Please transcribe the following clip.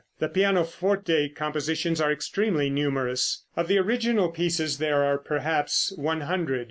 The pianoforte compositions are extremely numerous. Of the original pieces there are perhaps one hundred.